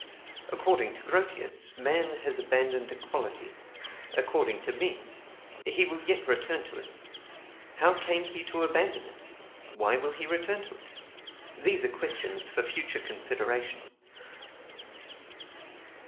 According to Grotius, man has abandoned equality; according to me, he will yet return to it. How came he to abandon it? Why will he return to it? These are questions for future consideration.